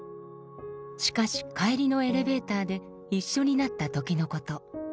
しかし帰りのエレベーターで一緒になった時のこと。